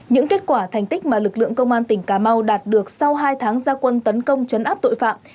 những kết quả thành tích mà lực lượng công an tỉnh cà mau đạt được sau hai tháng gia quân tấn công chấn áp tội phạm